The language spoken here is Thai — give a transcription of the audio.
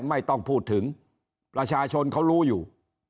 ไม่ต้องพูดถึงประชาชนเขารู้อยู่